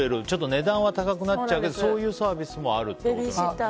値段は高くなっちゃうけどそういうサービスもあると。